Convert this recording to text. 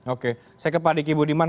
oke saya ke pak diki budiman